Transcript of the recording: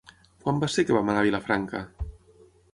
Quan va ser que vam anar a Vilafranca?